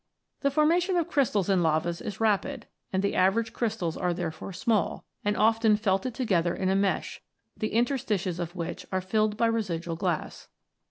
The formation of crystals in lavas is rapid, and the average crystals are therefore small, and often felted together in a mesh, the interstices of which are filled by residual glass.